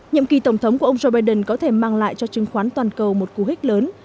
nhiệm kỳ tổng thống của ông joe biden có thể mang lại cho chứng khoán toàn cầu một cú hích lớn